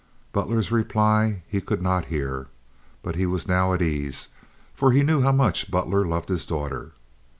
Butler's reply he could not hear, but he was now at ease for he knew how much Butler loved his daughter.